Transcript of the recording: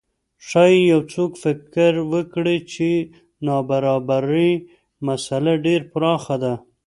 ښايي یو څوک فکر وکړي چې د نابرابرۍ مسئله ډېره پراخه ده.